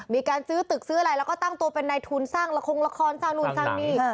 มีการซื้อตึกซื้ออะไรแล้วก็ตั้งตัวเป็นในทุนสร้างละครละครสร้างนู่นสร้างนี่